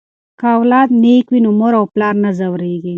که اولاد نیک وي نو مور او پلار نه ځورېږي.